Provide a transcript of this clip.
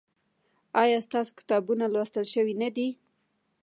ایا ستاسو کتابونه لوستل شوي نه دي؟